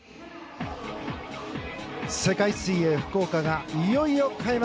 世界水泳福岡がいよいよ開幕。